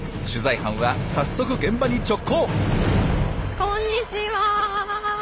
取材班は早速現場に直行。